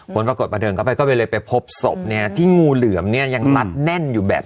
ผลปรากฏมาเดินเข้าไปก็เลยไปพบศพเนี่ยที่งูเหลือมเนี่ยยังรัดแน่นอยู่แบบ